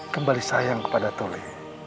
kembali sayang kepada tuhli